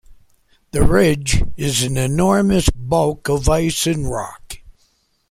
The ridge is an enormous bulk of ice and rock.